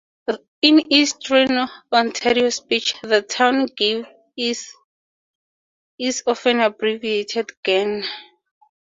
In eastern Ontario speech, the town name is often abbreviated to "Gan".